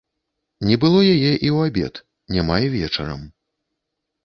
Не было яе і ў абед, няма і вечарам.